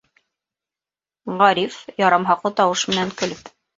Ғариф, ярамһаҡлы тауыш менән көлөп: